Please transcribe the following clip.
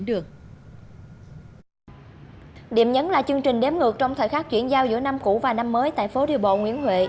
điểm nhấn là chương trình đếm ngược trong thời khắc chuyển giao giữa năm cũ và năm mới tại phố đi bộ nguyễn huệ